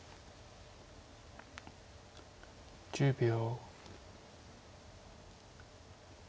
１０秒。